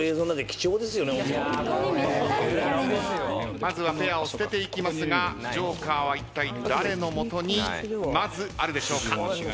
まずはペアを捨てていきますがＪＯＫＥＲはいったい誰の元にまずあるでしょうか？